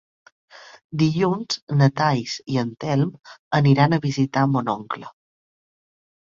Dilluns na Thaís i en Telm aniran a visitar mon oncle.